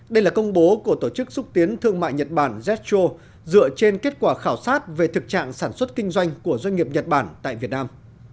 đây là công bố của tổ chức xúc tiến thương mại nhật bản jetro dựa trên kết quả khảo sát về thực trạng sản xuất kinh doanh của doanh nghiệp nhật bản tại việt nam